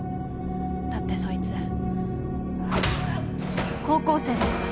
だってそいつ高校生だから。